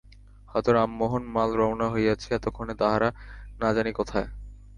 হয়তো রামমোহন মাল রওনা হইয়াছে, এতক্ষণে তাহারা না জানি কোথায়।